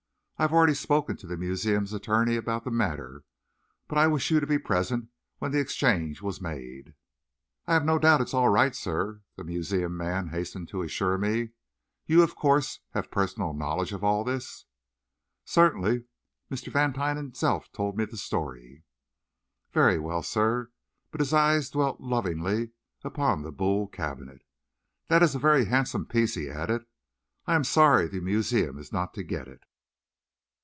I have already spoken to the museum's attorney about the matter, but I wished you to be present when the exchange was made." "I have no doubt it is all right, sir," the museum man hastened to assure me. "You, of course, have personal knowledge of all this?" "Certainly. Mr. Vantine himself told me the story." "Very well, sir," but his eyes dwelt lovingly upon the Boule cabinet. "That is a very handsome piece," he added. "I am sorry the museum is not to get it."